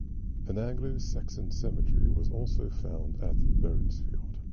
An Anglo-Saxon cemetery was also found at Berinsfield.